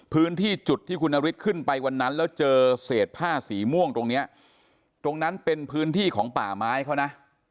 พื้นที่จุดที่คุณนฤทธิขึ้นไปวันนั้นแล้วเจอเศษผ้าสีม่วงตรงเนี้ยตรงนั้นเป็นพื้นที่ของป่าไม้เขานะ